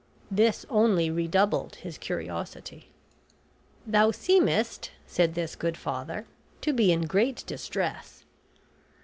This only redoubled his curiosity. "Thou seemest," said this good father, "to be in great distress."